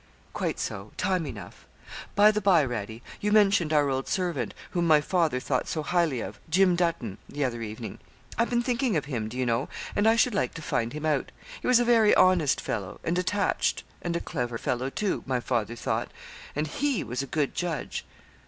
'Quite so time enough. By the bye, Radie, you mentioned our old servant, whom my father thought so highly of Jim Dutton the other evening. I've been thinking of him, do you know, and I should like to find him out. He was a very honest fellow, and attached, and a clever fellow, too, my father thought; and he was a good judge.